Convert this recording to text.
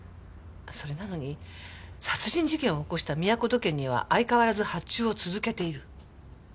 それなのに殺人事件を起こしたみやこ土建には相変わらず発注を続けている。